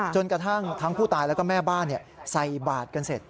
จนกระทั่งทั้งผู้ตายแล้วก็แม่บ้านใส่บาทกันเสร็จ